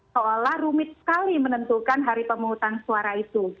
seolah rumit sekali menentukan hari pemungutan suara itu